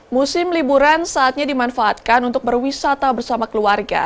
musim liburan saatnya dimanfaatkan untuk berwisata bersama keluarga